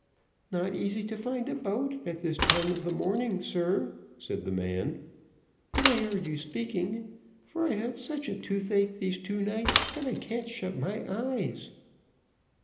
"Not easy to find a boat at this time of the morning, sir," said the man; "but I heard you speaking, for I've had such a toothache these two nights that I can't shut my eyes."